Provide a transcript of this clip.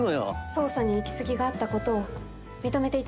捜査に行き過ぎがあったことを認めていただけないでしょうか？